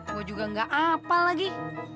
gua juga nggak apalagi